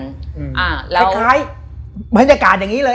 คล้ายบรรยากาศอย่างนี้เลย